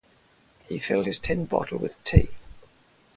He filled his tin bottle with tea.